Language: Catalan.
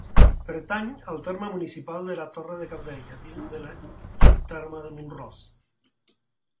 Pertany al terme municipal de la Torre de Cabdella, dins de l'antic terme de Mont-ros.